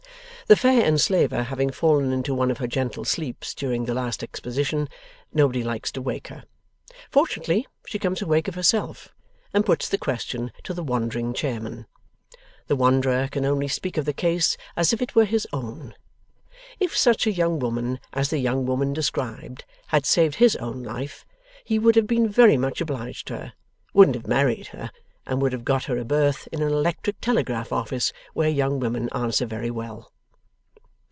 The fair enslaver having fallen into one of her gentle sleeps during the last exposition, nobody likes to wake her. Fortunately, she comes awake of herself, and puts the question to the Wandering Chairman. The Wanderer can only speak of the case as if it were his own. If such a young woman as the young woman described, had saved his own life, he would have been very much obliged to her, wouldn't have married her, and would have got her a berth in an Electric Telegraph Office, where young women answer very well.